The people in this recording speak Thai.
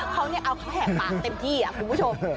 เขาเนี้ยเอาแห่ปากเต็มที่อ่ะคุณผู้ชม